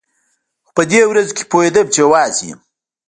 خو په دې ورځو کښې پوهېدم چې يوازې يم.